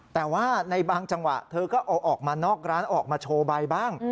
แต่ว่าในบางจังหวะเธอก็เอาออกมานอกร้านออกมาโชว์ใบบ้าง